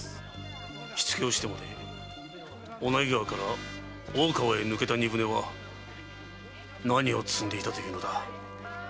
火付けをしてまで小名木川から大川へ抜けた荷船は何を積んでいたというのだ？